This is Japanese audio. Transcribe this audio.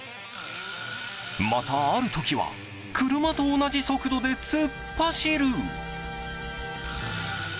またある時は車と同じ速度で突っ走る！